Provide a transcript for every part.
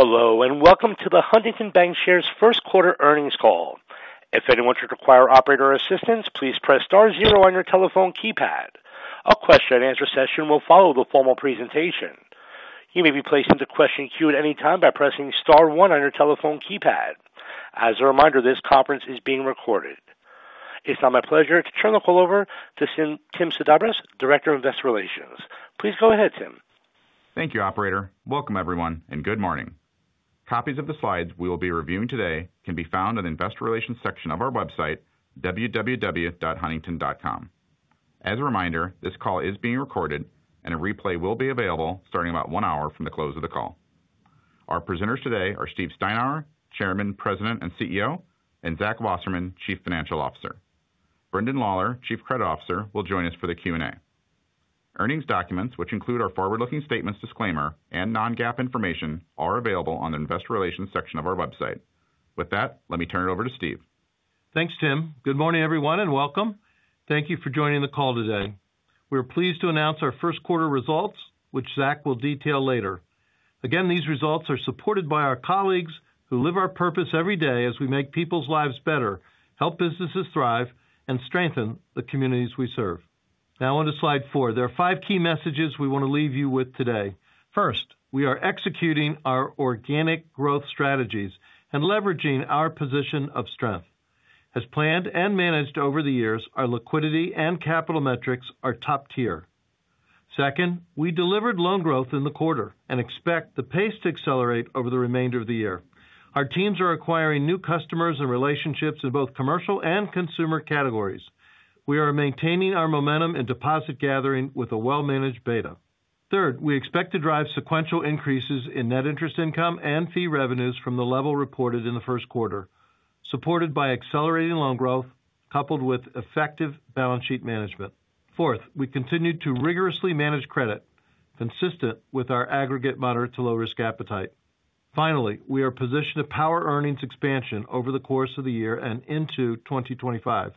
Hello, and welcome to the Huntington Bancshares first quarter earnings call. If anyone should require operator assistance, please press star zero on your telephone keypad. A question-and-answer session will follow the formal presentation. You may be placed into question queue at any time by pressing star one on your telephone keypad. As a reminder, this conference is being recorded. It's now my pleasure to turn the call over to Tim Sedabres, Director of Investor Relations. Please go ahead, Tim. Thank you, operator. Welcome, everyone, and good morning. Copies of the slides we will be reviewing today can be found on the investor relations section of our website, www.huntington.com. As a reminder, this call is being recorded and a replay will be available starting about one hour from the close of the call. Our presenters today are Steve Steinour, Chairman, President, and CEO, and Zach Wasserman, Chief Financial Officer. Brendan Lawlor, Chief Credit Officer, will join us for the Q&A. Earnings documents, which include our forward-looking statements disclaimer and non-GAAP information, are available on the investor relations section of our website. With that, let me turn it over to Steve. Thanks, Tim. Good morning, everyone, and welcome. Thank you for joining the call today. We are pleased to announce our first quarter results, which Zach will detail later. Again, these results are supported by our colleagues who live our purpose every day as we make people's lives better, help businesses thrive, and strengthen the communities we serve. Now on to slide four. There are five key messages we want to leave you with today. First, we are executing our organic growth strategies and leveraging our position of strength. As planned and managed over the years, our liquidity and capital metrics are top tier. Second, we delivered loan growth in the quarter and expect the pace to accelerate over the remainder of the year. Our teams are acquiring new customers and relationships in both commercial and consumer categories. We are maintaining our momentum in deposit gathering with a well-managed beta. Third, we expect to drive sequential increases in net interest income and fee revenues from the level reported in the first quarter, supported by accelerating loan growth, coupled with effective balance sheet management. Fourth, we continued to rigorously manage credit, consistent with our aggregate moderate to low risk appetite. Finally, we are positioned to power earnings expansion over the course of the year and into 2025.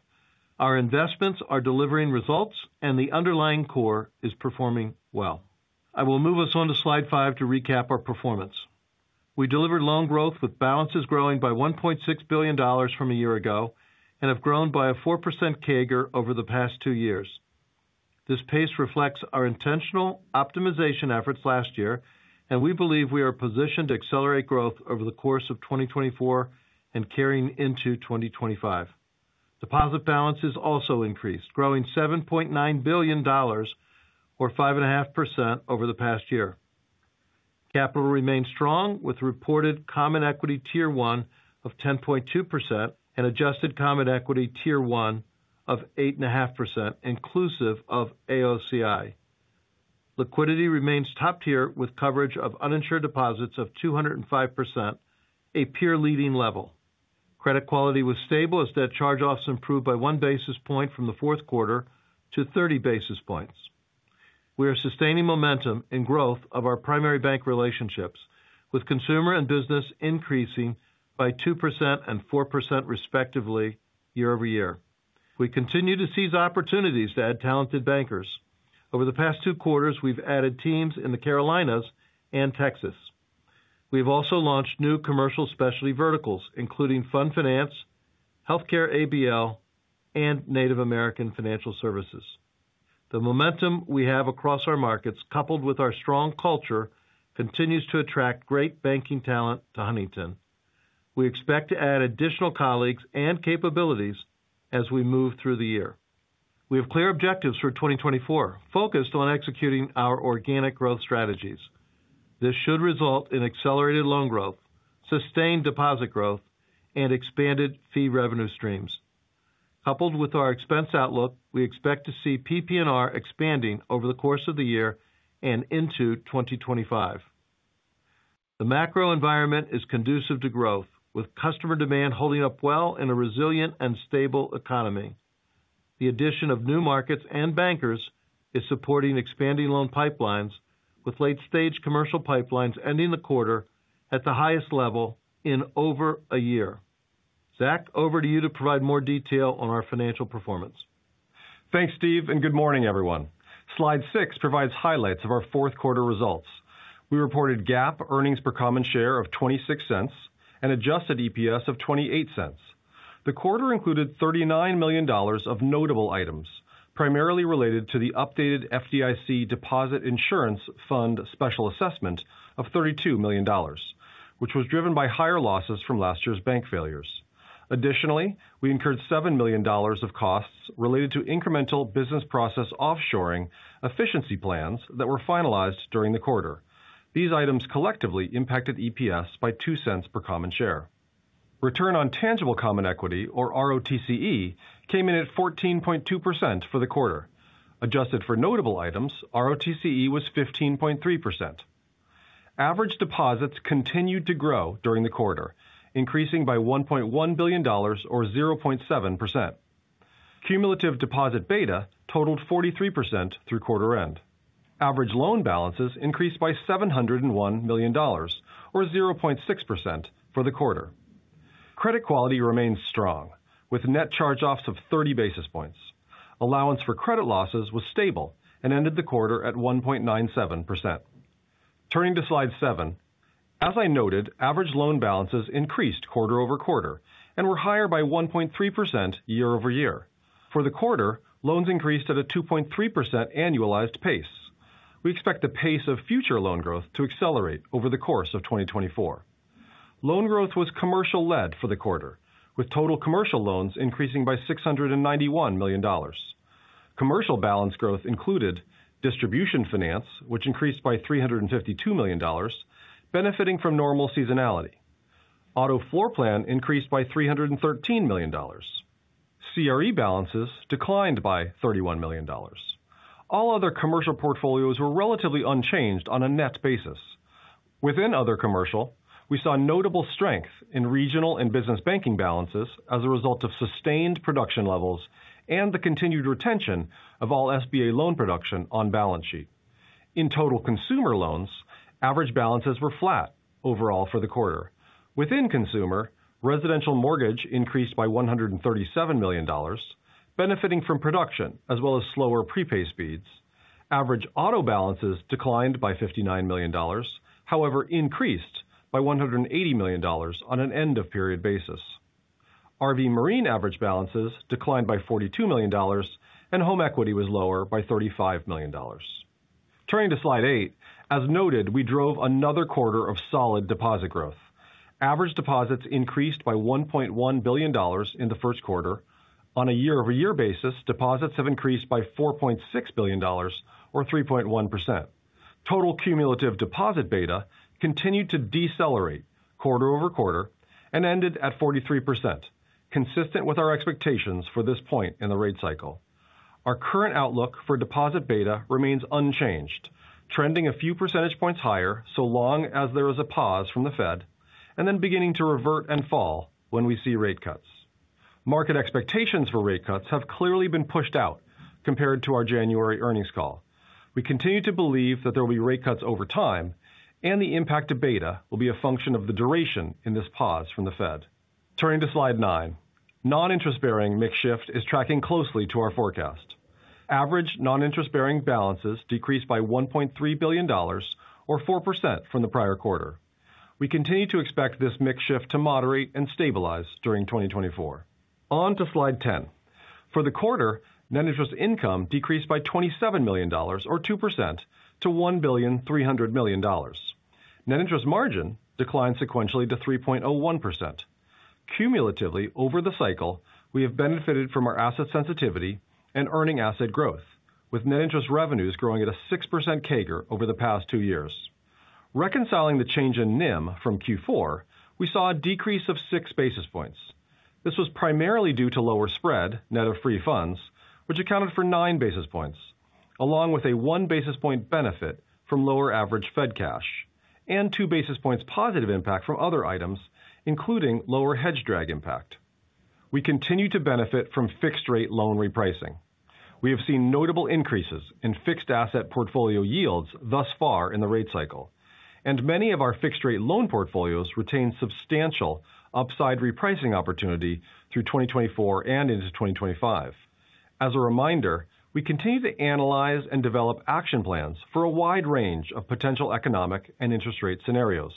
Our investments are delivering results, and the underlying core is performing well. I will move us on to slide 5 to recap our performance. We delivered loan growth, with balances growing by $1.6 billion from a year ago and have grown by a 4% CAGR over the past two years. This pace reflects our intentional optimization efforts last year, and we believe we are positioned to accelerate growth over the course of 2024 and carrying into 2025. Deposit balances also increased, growing $7.9 billion or 5.5% over the past year. Capital remains strong, with reported Common Equity Tier 1 of 10.2% and Adjusted Common Equity Tier 1 of 8.5%, inclusive of AOCI. Liquidity remains top tier, with coverage of uninsured deposits of 205%, a peer leading level. Credit quality was stable as debt charge-offs improved by 1 basis point from the fourth quarter to 30 basis points. We are sustaining momentum in growth of our primary bank relationships, with consumer and business increasing by 2% and 4%, respectively, year-over-year. We continue to seize opportunities to add talented bankers. Over the past two quarters, we've added teams in the Carolinas and Texas. We've also launched new commercial specialty verticals, including Fund Finance, Healthcare ABL, and Native American Financial Services. The momentum we have across our markets, coupled with our strong culture, continues to attract great banking talent to Huntington. We expect to add additional colleagues and capabilities as we move through the year. We have clear objectives for 2024, focused on executing our organic growth strategies. This should result in accelerated loan growth, sustained deposit growth, and expanded fee revenue streams. Coupled with our expense outlook, we expect to see PPNR expanding over the course of the year and into 2025. The macro environment is conducive to growth, with customer demand holding up well in a resilient and stable economy. The addition of new markets and bankers is supporting expanding loan pipelines, with late-stage commercial pipelines ending the quarter at the highest level in over a year. Zach, over to you to provide more detail on our financial performance. Thanks, Steve, and good morning, everyone. Slide 6 provides highlights of our fourth quarter results. We reported GAAP earnings per common share of $0.26 and adjusted EPS of $0.28. The quarter included $39 million of notable items, primarily related to the updated FDIC Deposit Insurance Fund special assessment of $32 million, which was driven by higher losses from last year's bank failures. Additionally, we incurred $7 million of costs related to incremental business process offshoring efficiency plans that were finalized during the quarter. These items collectively impacted EPS by $0.02 per common share. Return on tangible common equity, or ROTCE, came in at 14.2% for the quarter. Adjusted for notable items, ROTCE was 15.3%. Average deposits continued to grow during the quarter, increasing by $1.1 billion, or 0.7%. Cumulative deposit beta totaled 43% through quarter end. Average loan balances increased by $701 million, or 0.6% for the quarter. Credit quality remains strong, with net charge-offs of 30 basis points. Allowance for credit losses was stable and ended the quarter at 1.97%. Turning to slide 7. As I noted, average loan balances increased quarter-over-quarter and were higher by 1.3% year-over-year. For the quarter, loans increased at a 2.3% annualized pace. We expect the pace of future loan growth to accelerate over the course of 2024. Loan growth was commercial-led for the quarter, with total commercial loans increasing by $691 million. Commercial balance growth included distribution finance, which increased by $352 million, benefiting from normal seasonality. Auto floor plan increased by $313 million. CRE balances declined by $31 million. All other commercial portfolios were relatively unchanged on a net basis. Within other commercial, we saw notable strength in Regional and Business Banking balances as a result of sustained production levels and the continued retention of all SBA loan production on balance sheet. In total consumer loans, average balances were flat overall for the quarter. Within consumer, residential mortgage increased by $137 million, benefiting from production as well as slower prepay speeds. Average auto balances declined by $59 million, however, increased by $180 million on an end-of-period basis. RV Marine average balances declined by $42 million, and home equity was lower by $35 million. Turning to slide 8. As noted, we drove another quarter of solid deposit growth. Average deposits increased by $1.1 billion in the first quarter. On a year-over-year basis, deposits have increased by $4.6 billion, or 3.1%. Total cumulative deposit beta continued to decelerate quarter-over-quarter and ended at 43%, consistent with our expectations for this point in the rate cycle. Our current outlook for deposit beta remains unchanged, trending a few percentage points higher, so long as there is a pause from the Fed, and then beginning to revert and fall when we see rate cuts. Market expectations for rate cuts have clearly been pushed out compared to our January earnings call. We continue to believe that there will be rate cuts over time, and the impact to beta will be a function of the duration in this pause from the Fed. Turning to slide nine. Non-interest-bearing mix shift is tracking closely to our forecast. Average non-interest-bearing balances decreased by $1.3 billion or 4% from the prior quarter. We continue to expect this mix shift to moderate and stabilize during 2024. On to slide 10. For the quarter, net interest income decreased by $27 million or 2% to $1.3 billion. Net interest margin declined sequentially to 3.01%. Cumulatively over the cycle, we have benefited from our asset sensitivity and earning asset growth, with net interest revenues growing at a 6% CAGR over the past 2 years. Reconciling the change in NIM from Q4, we saw a decrease of 6 basis points. This was primarily due to lower spread, net of free funds, which accounted for 9 basis points, along with a 1 basis point benefit from lower average Fed cash and 2 basis points positive impact from other items, including lower hedge drag impact. We continue to benefit from fixed rate loan repricing. We have seen notable increases in fixed asset portfolio yields thus far in the rate cycle, and many of our fixed rate loan portfolios retain substantial upside repricing opportunity through 2024 and into 2025. As a reminder, we continue to analyze and develop action plans for a wide range of potential economic and interest rate scenarios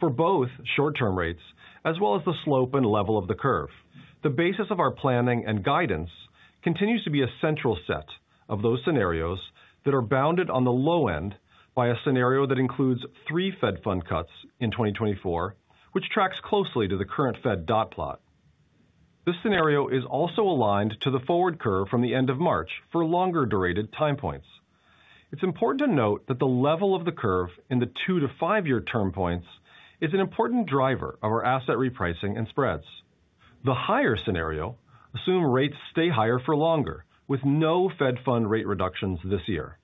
for both short-term rates as well as the slope and level of the curve. The basis of our planning and guidance continues to be a central set of those scenarios that are bounded on the low end by a scenario that includes 3 Fed funds cuts in 2024, which tracks closely to the current Fed dot plot. This scenario is also aligned to the forward curve from the end of March for longer-duration time points. It's important to note that the level of the curve in the 2- to 5-year term points is an important driver of our asset repricing and spreads. The higher scenario assume rates stay higher for longer, with no Fed funds rate reductions this year.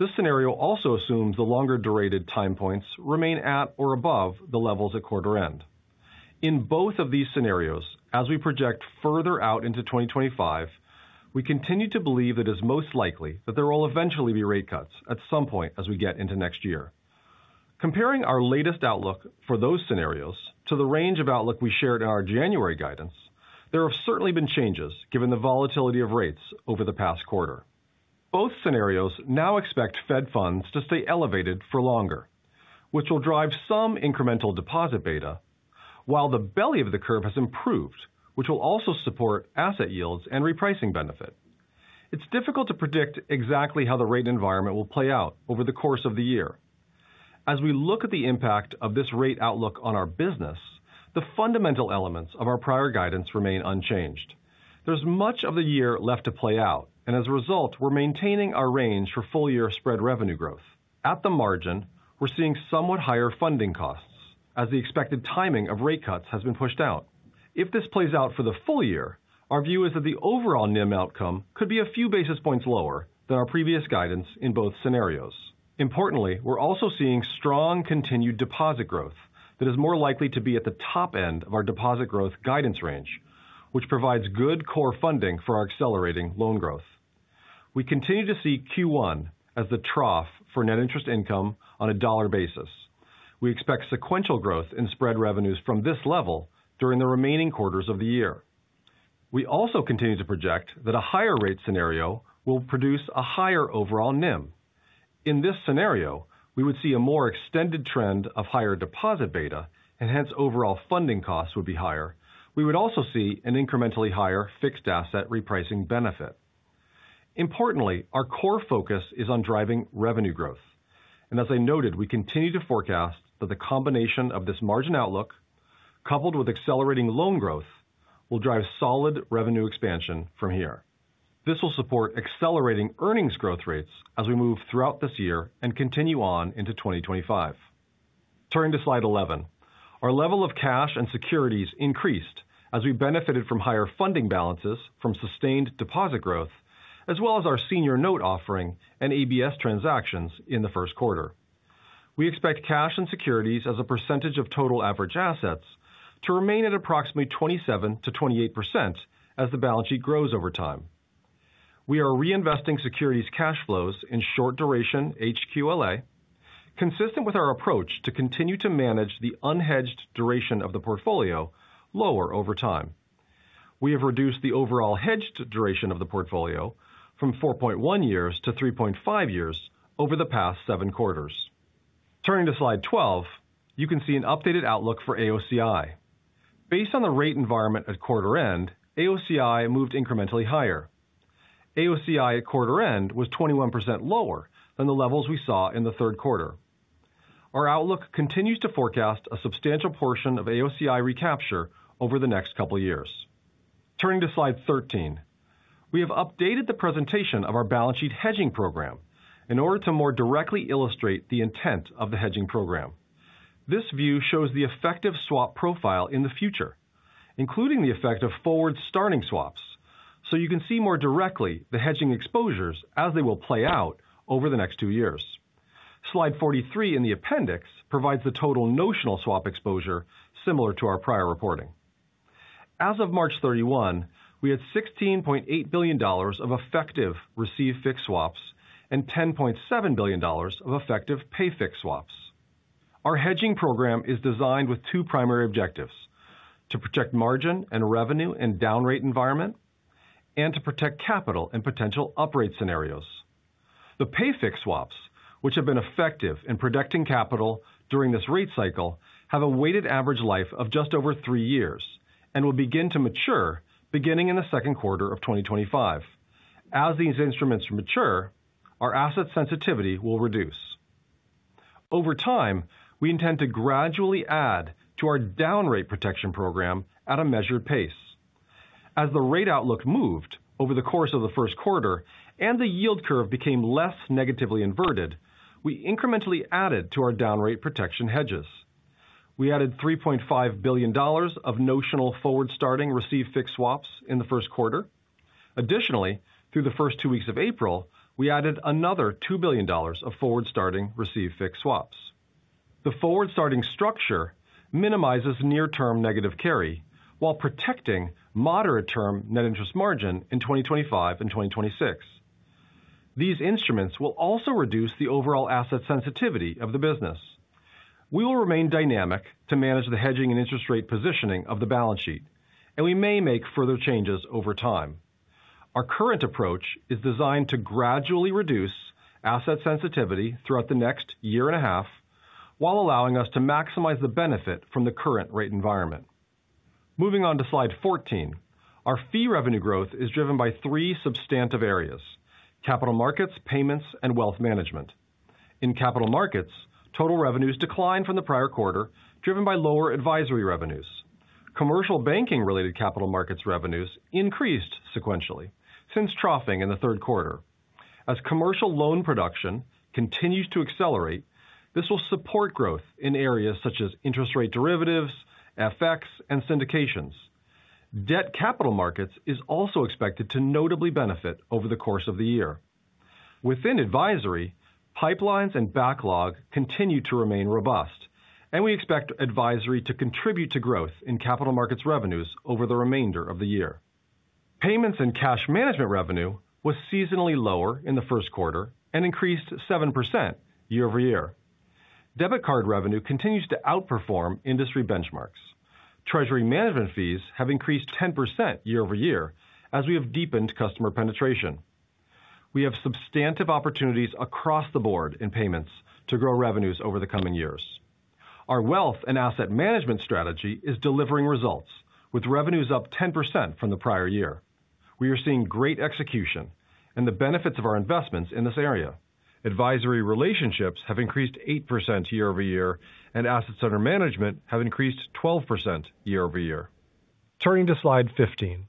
This scenario also assumes the longer-duration time points remain at or above the levels at quarter end. In both of these scenarios, as we project further out into 2025, we continue to believe it is most likely that there will eventually be rate cuts at some point as we get into next year. Comparing our latest outlook for those scenarios to the range of outlook we shared in our January guidance, there have certainly been changes given the volatility of rates over the past quarter. Both scenarios now expect Fed Funds to stay elevated for longer, which will drive some incremental deposit beta, while the belly of the curve has improved, which will also support asset yields and repricing benefit. It's difficult to predict exactly how the rate environment will play out over the course of the year. As we look at the impact of this rate outlook on our business, the fundamental elements of our prior guidance remain unchanged. There's much of the year left to play out, and as a result, we're maintaining our range for full-year spread revenue growth. At the margin, we're seeing somewhat higher funding costs as the expected timing of rate cuts has been pushed out. If this plays out for the full year, our view is that the overall NIM outcome could be a few basis points lower than our previous guidance in both scenarios. Importantly, we're also seeing strong continued deposit growth that is more likely to be at the top end of our deposit growth guidance range, which provides good core funding for our accelerating loan growth. We continue to see Q1 as the trough for net interest income on a dollar basis. We expect sequential growth in spread revenues from this level during the remaining quarters of the year. We also continue to project that a higher rate scenario will produce a higher overall NIM. In this scenario, we would see a more extended trend of higher deposit beta, and hence overall funding costs would be higher. We would also see an incrementally higher fixed asset repricing benefit. Importantly, our core focus is on driving revenue growth, and as I noted, we continue to forecast that the combination of this margin outlook, coupled with accelerating loan growth, will drive solid revenue expansion from here. This will support accelerating earnings growth rates as we move throughout this year and continue on into 2025. Turning to slide 11. Our level of cash and securities increased as we benefited from higher funding balances from sustained deposit growth, as well as our senior note offering and ABS transactions in the first quarter. We expect cash and securities as a percentage of total average assets to remain at approximately 27%-28% as the balance sheet grows over time. We are reinvesting securities cash flows in short duration HQLA, consistent with our approach to continue to manage the unhedged duration of the portfolio lower over time. We have reduced the overall hedged duration of the portfolio from 4.1 years to 3.5 years over the past 7 quarters. Turning to slide 12, you can see an updated outlook for AOCI. Based on the rate environment at quarter end, AOCI moved incrementally higher. AOCI at quarter end was 21% lower than the levels we saw in the third quarter. Our outlook continues to forecast a substantial portion of AOCI recapture over the next couple of years. Turning to slide 13. We have updated the presentation of our balance sheet hedging program in order to more directly illustrate the intent of the hedging program. This view shows the effective swap profile in the future, including the effect of forward-starting swaps, so you can see more directly the hedging exposures as they will play out over the next two years. Slide 43 in the appendix provides the total notional swap exposure similar to our prior reporting. As of March 31, we had $16.8 billion of effective received fixed swaps and $10.7 billion of effective pay fixed swaps. Our hedging program is designed with two primary objectives: to protect margin and revenue in down-rate environment, and to protect capital in potential up-rate scenarios. The pay fixed swaps, which have been effective in protecting capital during this rate cycle, have a weighted average life of just over three years and will begin to mature beginning in the second quarter of 2025. As these instruments mature, our asset sensitivity will reduce. Over time, we intend to gradually add to our down rate protection program at a measured pace. As the rate outlook moved over the course of the first quarter and the yield curve became less negatively inverted, we incrementally added to our down rate protection hedges. We added $3.5 billion of notional forward-starting received fixed swaps in the first quarter. Additionally, through the first two weeks of April, we added another $2 billion of forward-starting received fixed swaps. The forward-starting structure minimizes near-term negative carry, while protecting moderate-term net interest margin in 2025 and 2026. These instruments will also reduce the overall asset sensitivity of the business. We will remain dynamic to manage the hedging and interest rate positioning of the balance sheet, and we may make further changes over time. Our current approach is designed to gradually reduce asset sensitivity throughout the next year and a half, while allowing us to maximize the benefit from the current rate environment. Moving on to slide 14. Our fee revenue growth is driven by three substantive areas: Capital Markets, payments, and wealth management. In Capital Markets, total revenues declined from the prior quarter, driven by lower advisory revenues. Commercial banking-related Capital Markets revenues increased sequentially since troughing in the third quarter. As commercial loan production continues to accelerate, this will support growth in areas such as interest rate derivatives, FX, and syndications. Debt Capital Markets is also expected to notably benefit over the course of the year. Within advisory, pipelines and backlog continue to remain robust, and we expect advisory to contribute to growth in Capital Markets revenues over the remainder of the year. Payments and Cash Management revenue was seasonally lower in the first quarter and increased 7% year-over-year. Debit card revenue continues to outperform industry benchmarks. Treasury Management fees have increased 10% year-over-year as we have deepened customer penetration. We have substantive opportunities across the board in payments to grow revenues over the coming years. Our Wealth and Asset Management strategy is delivering results, with revenues up 10% from the prior year. We are seeing great execution and the benefits of our investments in this area. Advisory relationships have increased 8% year-over-year, and assets under management have increased 12% year-over-year. Turning to slide 15.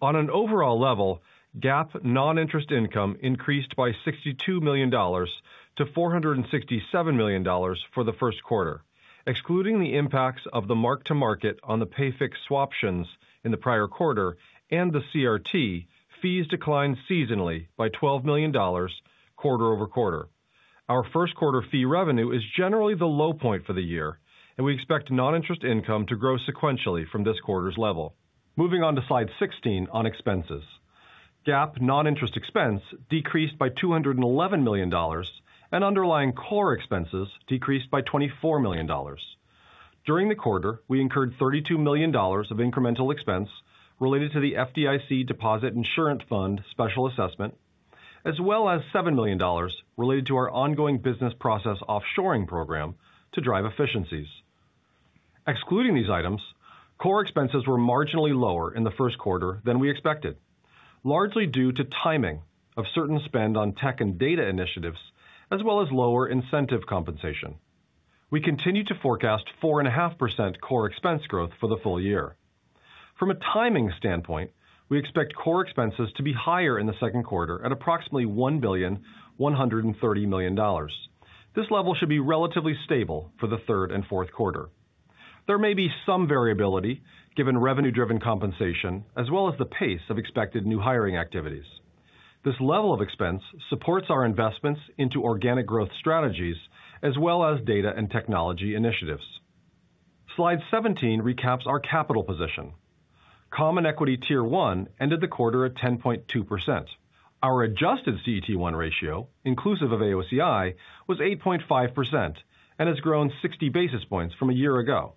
On an overall level, GAAP non-interest income increased by $62 million to $467 million for the first quarter. Excluding the impacts of the mark-to-market on the pay fixed swaptions in the prior quarter and the CRT, fees declined seasonally by $12 million quarter-over-quarter. Our first quarter fee revenue is generally the low point for the year, and we expect non-interest income to grow sequentially from this quarter's level. Moving on to slide 16 on expenses. GAAP non-interest expense decreased by $211 million, and underlying core expenses decreased by $24 million. During the quarter, we incurred $32 million of incremental expense related to the FDIC Deposit Insurance Fund special assessment, as well as $7 million related to our ongoing business process offshoring program to drive efficiencies. Excluding these items, core expenses were marginally lower in the first quarter than we expected, largely due to timing of certain spend on tech and data initiatives, as well as lower incentive compensation. We continue to forecast 4.5% core expense growth for the full year. From a timing standpoint, we expect core expenses to be higher in the second quarter at approximately $1.13 billion. This level should be relatively stable for the third and fourth quarter. There may be some variability given revenue-driven compensation, as well as the pace of expected new hiring activities. This level of expense supports our investments into organic growth strategies, as well as data and technology initiatives. Slide 17 recaps our capital position. Common Equity Tier 1 ended the quarter at 10.2%. Our adjusted CET1 ratio, inclusive of AOCI, was 8.5% and has grown 60 basis points from a year ago.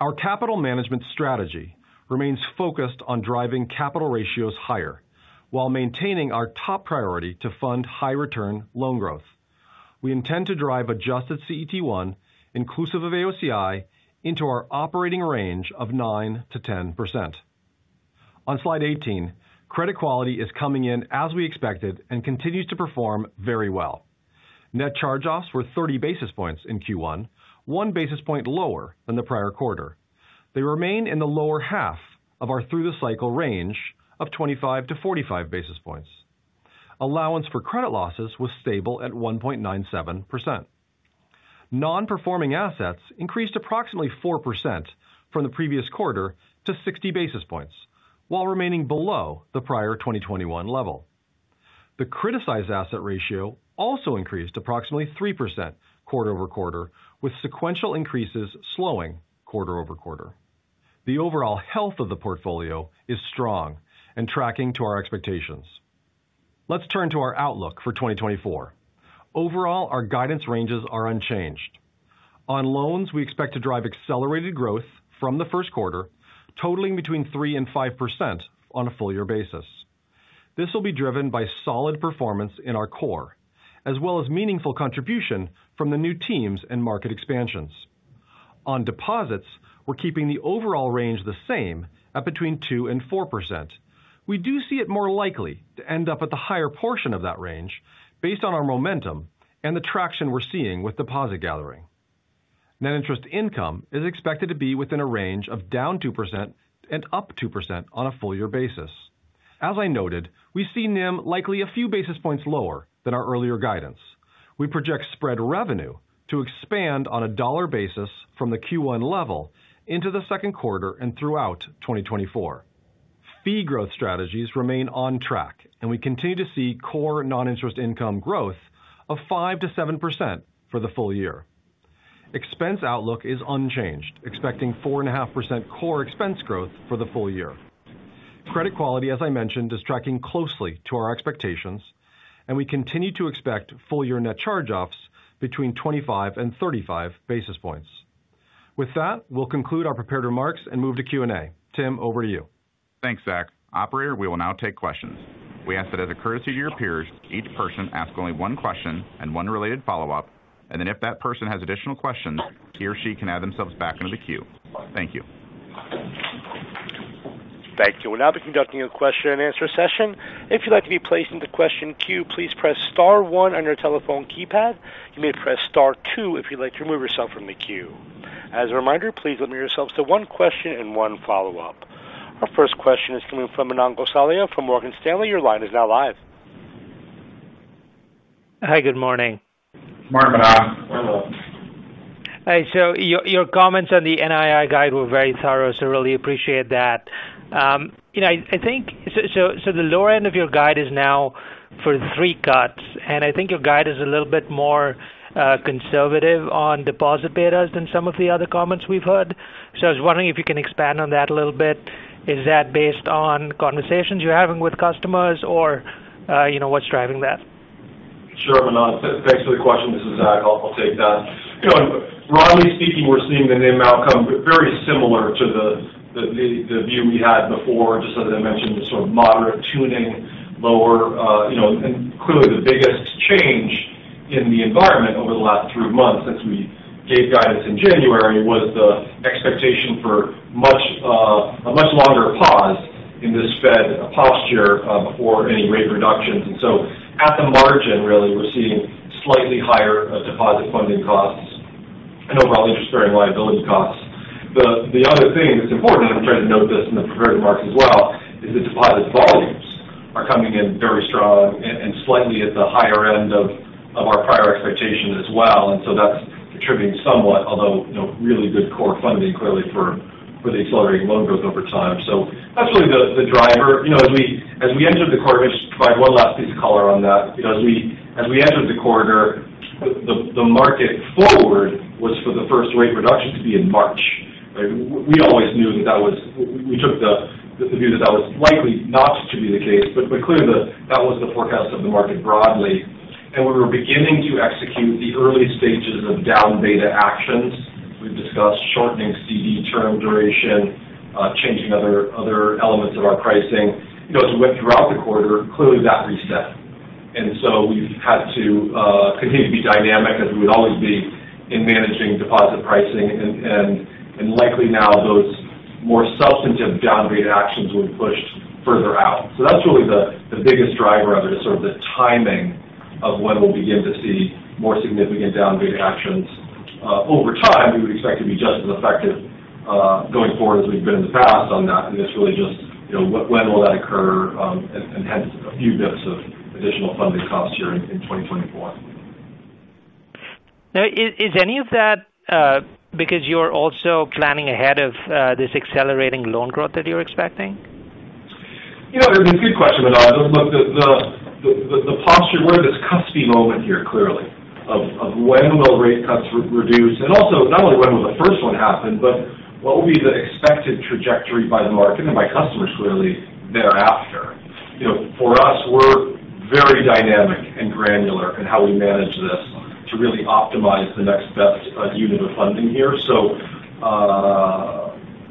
Our capital management strategy remains focused on driving capital ratios higher while maintaining our top priority to fund high return loan growth. We intend to drive adjusted CET1, inclusive of AOCI, into our operating range of 9%-10%. On slide 18, credit quality is coming in as we expected and continues to perform very well. Net charge-offs were 30 basis points in Q1, 1 basis point lower than the prior quarter. They remain in the lower half of our through the cycle range of 25 basis points-45 basis points. Allowance for credit losses was stable at 1.97%. Non-performing assets increased approximately 4% from the previous quarter to 60 basis points, while remaining below the prior 2021 level. The criticized asset ratio also increased approximately 3% quarter-over-quarter, with sequential increases slowing quarter-over-quarter. The overall health of the portfolio is strong and tracking to our expectations. Let's turn to our outlook for 2024. Overall, our guidance ranges are unchanged. On loans, we expect to drive accelerated growth from the first quarter, totaling between 3% and 5% on a full year basis. This will be driven by solid performance in our core, as well as meaningful contribution from the new teams and market expansions. On deposits, we're keeping the overall range the same at between 2% and 4%. We do see it more likely to end up at the higher portion of that range based on our momentum and the traction we're seeing with deposit gathering. Net interest income is expected to be within a range of down 2% and up 2% on a full year basis. As I noted, we see NIM likely a few basis points lower than our earlier guidance. We project spread revenue to expand on a dollar basis from the Q1 level into the second quarter and throughout 2024. Fee growth strategies remain on track, and we continue to see core non-interest income growth of 5%-7% for the full year. Expense outlook is unchanged, expecting 4.5% core expense growth for the full year. Credit quality, as I mentioned, is tracking closely to our expectations, and we continue to expect full year net charge-offs between 25 basis points and 35 basis points. With that, we'll conclude our prepared remarks and move to Q&A. Tim, over to you. Thanks, Zach. Operator, we will now take questions. We ask that as a courtesy to your peers, each person ask only one question and one related follow-up, and then if that person has additional questions, he or she can add themselves back into the queue. Thank you. Thank you. We'll now be conducting a question and answer session. If you'd like to be placed into question queue, please press star one on your telephone keypad. You may press star two if you'd like to remove yourself from the queue. As a reminder, please limit yourselves to one question and one follow-up. Our first question is coming from Manan Gosalia from Morgan Stanley. Your line is now live. Hi, good morning. Good morning, Manan. Hi. So your comments on the NII guide were very thorough, so really appreciate that. You know, I think so the lower end of your guide is now for three cuts, and I think your guide is a little bit more conservative on deposit betas than some of the other comments we've heard. So I was wondering if you can expand on that a little bit. Is that based on conversations you're having with customers or you know, what's driving that? Sure, Manan. Thanks for the question. This is Zach. I'll take that. You know, broadly speaking, we're seeing the NIM outcome very similar to the view we had before. Just as I mentioned, the sort of moderate tuning, lower, you know, and clearly the biggest change in the environment over the last three months since we gave guidance in January, was the expectation for a much longer pause in this Fed posture before any rate reductions. And so at the margin, really, we're seeing slightly higher deposit funding costs and overall interest-bearing liability costs. The other thing that's important, and I'm trying to note this in the prepared remarks as well, is the deposit volumes are coming in very strong and slightly at the higher end of our prior expectations as well. And so that's-... contributing somewhat, although, you know, really good core funding clearly for the accelerating loan growth over time. So that's really the driver. You know, as we entered the quarter, I'll just provide one last piece of color on that. You know, as we entered the quarter, the market forward was for the first rate reduction to be in March. Right? We always knew that that was - we took the view that that was likely not to be the case. But clearly, that was the forecast of the market broadly. And we were beginning to execute the early stages of down beta actions. We've discussed shortening CD term duration, changing other elements of our pricing. You know, as we went throughout the quarter, clearly that reset. And so we've had to continue to be dynamic, as we would always be, in managing deposit pricing. And likely now those more substantive down rate actions will be pushed further out. So that's really the biggest driver of it, is sort of the timing of when we'll begin to see more significant down rate actions. Over time, we would expect to be just as effective, going forward as we've been in the past on that. And it's really just, you know, when will that occur, and hence a few bits of additional funding costs here in 2024. Now, is any of that because you're also planning ahead of this accelerating loan growth that you're expecting? You know, it's a good question, Manan. Look, the posture we're at this custody moment here, clearly, of when will rate cuts reduce? And also not only when will the first one happen, but what will be the expected trajectory by the market and by customers clearly thereafter? You know, for us, we're very dynamic and granular in how we manage this to really optimize the next best unit of funding here. So,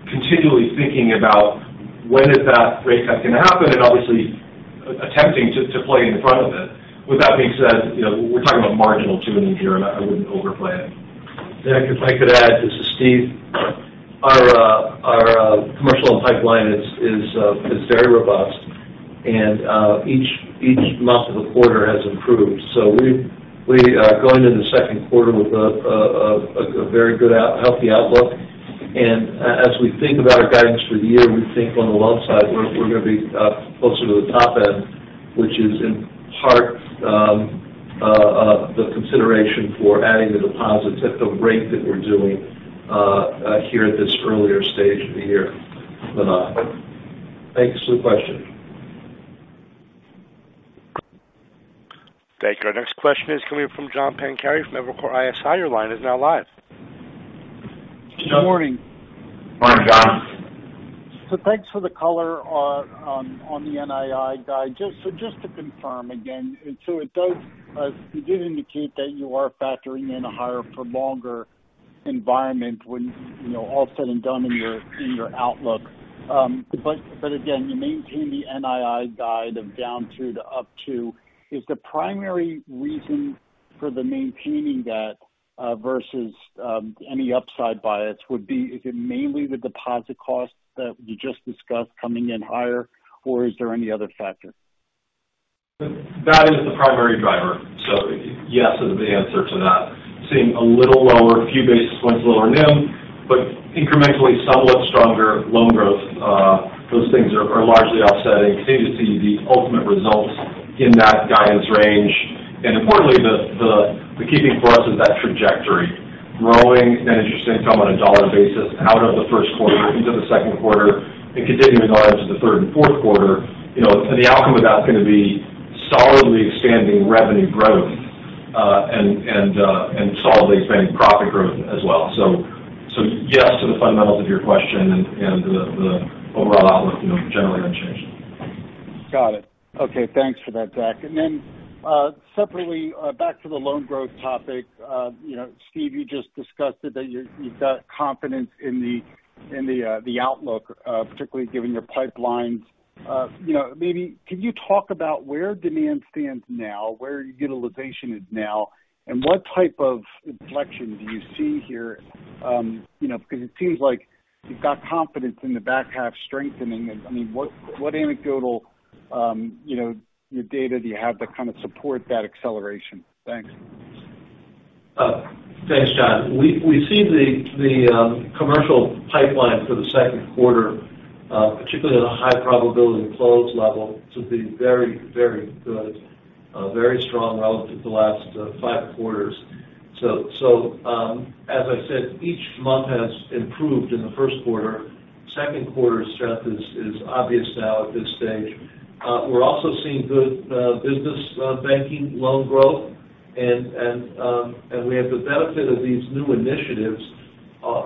continually thinking about when is that rate cut going to happen, and obviously attempting to play in front of it. With that being said, you know, we're talking about marginal tuning here, and I wouldn't overplay it. Zach, if I could add, this is Steve. Our commercial pipeline is very robust, and each month of the quarter has improved. So we are going into the second quarter with a very good healthy outlook. And as we think about our guidance for the year, we think on the loan side, we're going to be closer to the top end, which is in part the consideration for adding the deposits at the rate that we're doing here at this earlier stage of the year. Vinay, thanks for the question. Thank you. Our next question is coming from John Pancari from Evercore ISI. Your line is now live. Good morning. Morning, John. So thanks for the color on the NII guide. Just so just to confirm again, so it does, you did indicate that you are factoring in a higher for longer environment when, you know, all said and done in your outlook. But again, you maintain the NII guide of down to up to. Is the primary reason for maintaining that versus any upside bias would be, is it mainly the deposit costs that you just discussed coming in higher, or is there any other factor? That is the primary driver. So yes, is the answer to that. Seeing a little lower, a few basis points lower NIM, but incrementally, somewhat stronger loan growth, those things are largely offsetting. Continue to see the ultimate results in that guidance range. And importantly, the key thing for us is that trajectory. Growing net interest income on a dollar basis out of the first quarter into the second quarter and continuing on into the third and fourth quarter. You know, and the outcome of that is going to be solidly expanding revenue growth, and solidly expanding profit growth as well. So yes, to the fundamentals of your question and the overall outlook, you know, generally unchanged. Got it. Okay, thanks for that, Zach. And then, separately, back to the loan growth topic. You know, Steve, you just discussed that, that you, you've got confidence in the, in the, the outlook, particularly given your pipeline. You know, maybe can you talk about where demand stands now, where utilization is now, and what type of inflection do you see here? You know, because it seems like you've got confidence in the back half strengthening. I mean, what, what anecdotal, you know, your data do you have to kind of support that acceleration? Thanks. Thanks, John. We see the commercial pipeline for the second quarter, particularly at a high probability close level, to be very, very good, very strong relative to the last five quarters. As I said, each month has improved in the first quarter. Second quarter's strength is obvious now at this stage. We're also seeing good business banking loan growth, and we have the benefit of these new initiatives,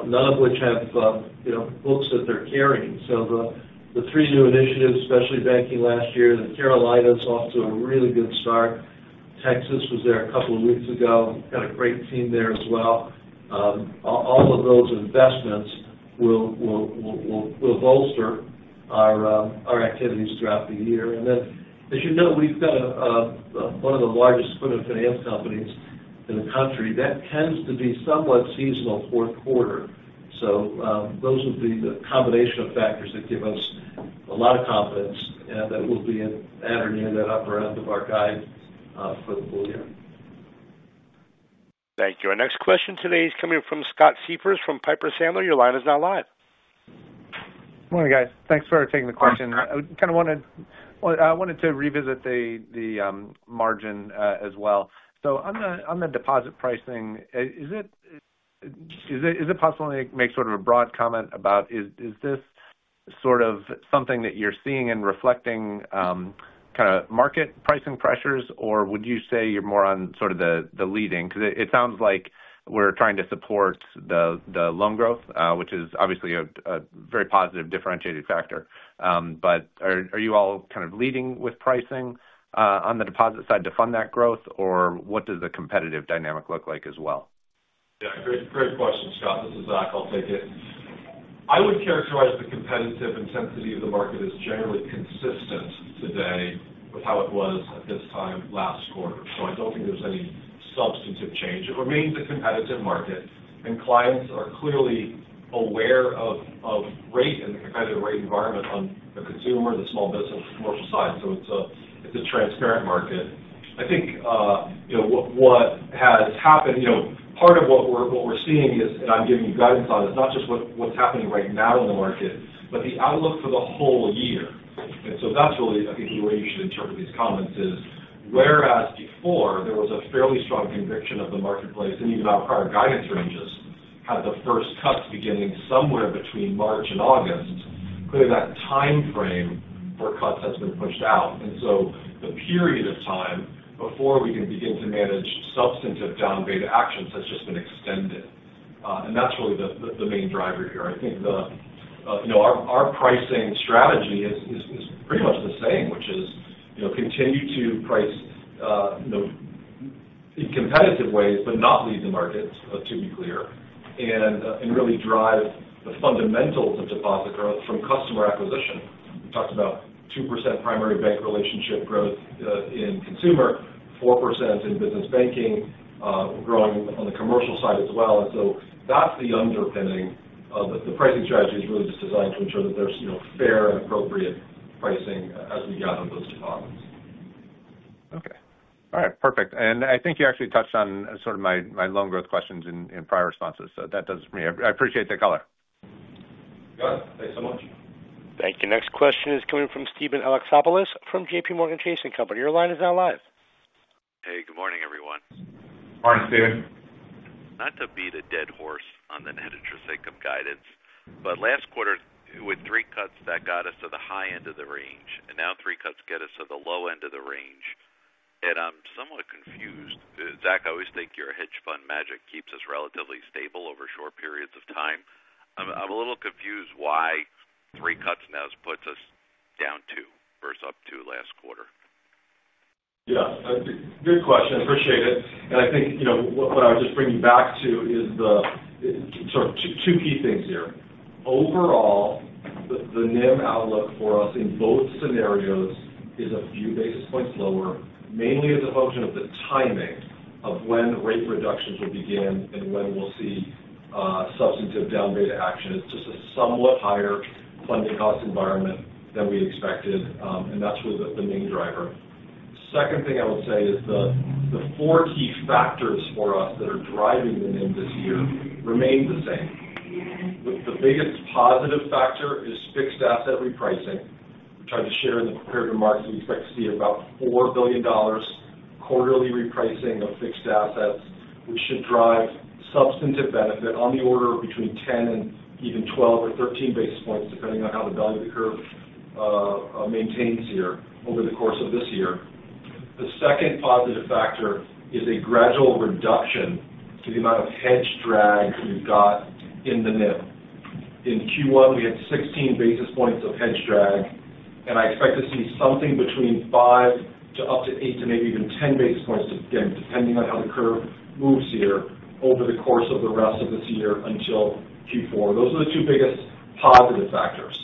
none of which have, you know, books that they're carrying. So the three new initiatives, especially banking last year, the Carolinas off to a really good start. Texas was there a couple of weeks ago. Got a great team there as well. All of those investments will bolster our activities throughout the year. Then, as you know, we've got one of the largest student finance companies in the country. That tends to be somewhat seasonal, fourth quarter. Those would be the combination of factors that give us a lot of confidence, and that we'll be averaging in that upper end of our guide for the full year. Thank you. Our next question today is coming from Scott Siefers from Piper Sandler. Your line is now live. ... Morning, guys. Thanks for taking the question. I kind of wanted, well, I wanted to revisit the margin as well. So on the deposit pricing, is it possible to make sort of a broad comment about is this sort of something that you're seeing and reflecting kind of market pricing pressures, or would you say you're more on sort of the leading? Because it sounds like we're trying to support the loan growth, which is obviously a very positive differentiating factor. But are you all kind of leading with pricing on the deposit side to fund that growth? Or what does the competitive dynamic look like as well? Yeah, great, great question, Scott. This is Zach. I'll take it. I would characterize the competitive intensity of the market as generally consistent today with how it was at this time last quarter, so I don't think there's any substantive change. It remains a competitive market, and clients are clearly aware of rate and the competitive rate environment on the consumer, the small business, commercial side. So it's a transparent market. I think, you know, what has happened. You know, part of what we're seeing is, and I'm giving you guidance on, is not just what's happening right now in the market, but the outlook for the whole year. So that's really, I think, the way you should interpret these comments is, whereas before there was a fairly strong conviction of the marketplace, and even our prior guidance ranges, had the first cuts beginning somewhere between March and August, clearly that time frame for cuts has been pushed out. So the period of time before we can begin to manage substantive down rate actions has just been extended, and that's really the main driver here. I think, you know, our pricing strategy is pretty much the same, which is, you know, continue to price, you know, in competitive ways, but not lead the market, to be clear, and really drive the fundamentals of deposit growth from customer acquisition. We talked about 2% primary bank relationship growth in consumer, 4% in business banking, growing on the commercial side as well. And so that's the underpinning of the pricing strategy is really just designed to ensure that there's, you know, fair and appropriate pricing as we gather those deposits. Okay. All right. Perfect. And I think you actually touched on sort of my loan growth questions in prior responses, so that does it for me. I appreciate the color. Got it. Thanks so much. Thank you. Next question is coming from Steven Alexopoulos from JPMorgan Chase & Co. Your line is now live. Hey, good morning, everyone. Morning, Steven. Not to beat a dead horse on the net interest income guidance, but last quarter, with three cuts, that got us to the high end of the range, and now three cuts get us to the low end of the range. I'm somewhat confused. Zach, I always think your hedge fund magic keeps us relatively stable over short periods of time. I'm a little confused why three cuts now puts us down two versus up two last quarter. Yeah. Good question. I appreciate it. And I think, you know, what I would just bring you back to is the sort of two key things here. Overall, the NIM outlook for us in both scenarios is a few basis points lower, mainly as a function of the timing of when rate reductions will begin and when we'll see substantive down rate action. It's just a somewhat higher funding cost environment than we expected, and that's really the main driver. Second thing I would say is the four key factors for us that are driving the NIM this year remain the same. The biggest positive factor is fixed asset repricing, which I just shared in the prepared remarks. We expect to see about $4 billion quarterly repricing of fixed assets, which should drive substantive benefit on the order of between 10 and even 12 or 13 basis points, depending on how the value of the curve maintains here over the course of this year. The second positive factor is a gradual reduction to the amount of hedge drag we've got in the NIM. In Q1, we had 16 basis points of hedge drag, and I expect to see something between 5 to up to 8 to maybe even 10 basis points, again, depending on how the curve moves here over the course of the rest of this year until Q4. Those are the two biggest positive factors.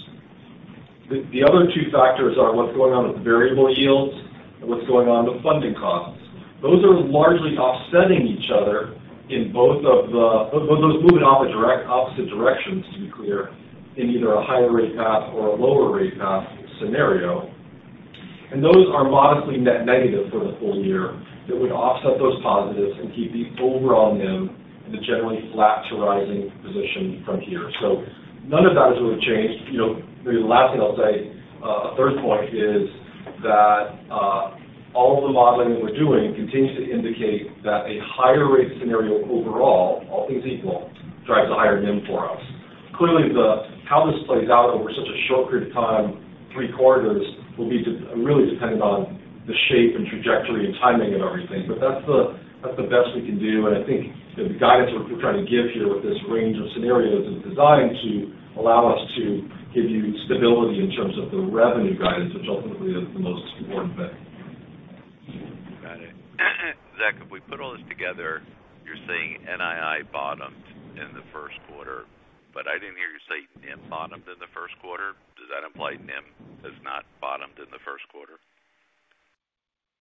The other two factors are what's going on with variable yields and what's going on with funding costs. Those are largely offsetting each other in both of the well, those moving opposite opposite directions, to be clear, in either a higher rate path or a lower rate path scenario. And those are modestly net negative for the full year. That would offset those positives and keep the overall NIM in a generally flat to rising position from here. So none of that has really changed. You know, the last thing I'll say, a third point is that, all of the modeling that we're doing continues to indicate that a higher rate scenario overall, all things equal, drives a higher NIM for us. Clearly, the how this plays out over such a short period of time, three quarters, will be really dependent on the shape and trajectory and timing of everything. But that's the best we can do, and I think the guidance we're trying to give here with this range of scenarios is designed to allow us to give you stability in terms of the revenue guidance, which ultimately is the most important thing. Got it. Zach, if we put all this together, you're saying NII bottomed in the first quarter, but I didn't hear you say NIM bottomed in the first quarter. Does that imply NIM has not bottomed in the first quarter?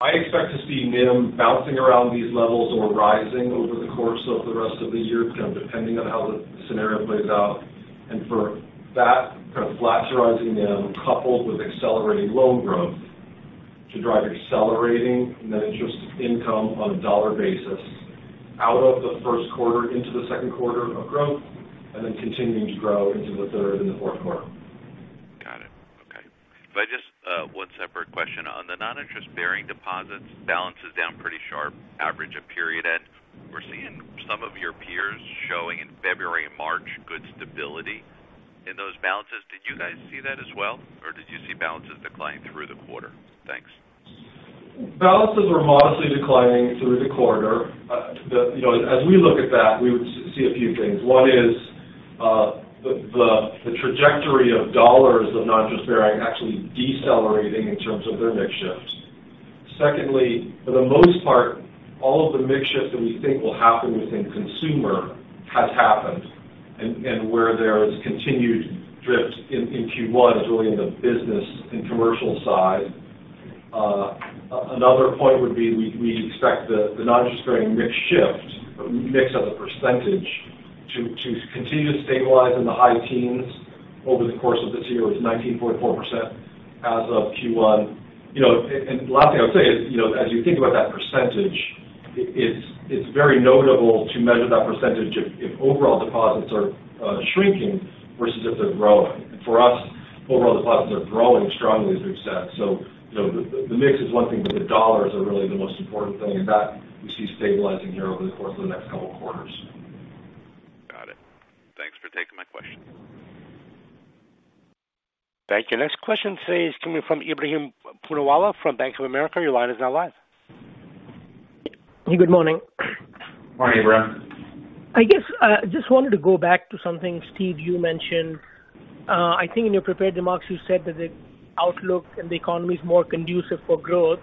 I expect to see NIM bouncing around these levels or rising over the course of the rest of the year, kind of depending on how the scenario plays out, and for that kind of flat to rising NIM, coupled with accelerating loan growth... to drive accelerating net interest income on a dollar basis out of the first quarter into the second quarter of growth, and then continuing to grow into the third and the fourth quarter. Got it. Okay. But just, one separate question. On the non-interest-bearing deposits, balance is down pretty sharp, average at period end. We're seeing some of your peers showing in February and March, good stability in those balances. Did you guys see that as well, or did you see balances declining through the quarter? Thanks. Balances are modestly declining through the quarter. You know, as we look at that, we would see a few things. One is, the trajectory of dollars of non-interest-bearing actually decelerating in terms of their mix shift. Secondly, for the most part, all of the mix shift that we think will happen within consumer has happened. And where there is continued drift in Q1 is really in the business and commercial side. Another point would be, we expect the non-interest-bearing mix shift, or mix as a percentage, to continue to stabilize in the high teens over the course of this year. It's 19.4% as of Q1. You know, the last thing I would say is, you know, as you think about that percentage, it's very notable to measure that percentage if overall deposits are shrinking versus if they're growing. And for us, overall, deposits are growing strongly, as we've said. So you know, the mix is one thing, but the dollars are really the most important thing, and that we see stabilizing here over the course of the next couple of quarters. Got it. Thanks for taking my question. Thank you. Next question today is coming from Ebrahim Poonawala from Bank of America. Your line is now live. Good morning. Morning, Ibrahim. I guess, I just wanted to go back to something, Steve, you mentioned. I think in your prepared remarks, you said that the outlook in the economy is more conducive for growth.